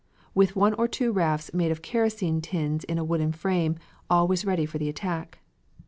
With one or two rafts made of kerosene tins in a wooden frame, all was ready for the attack.